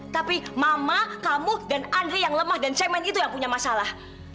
tapi mama kamu dan andre yang lemah dan semen itu yang punya masalah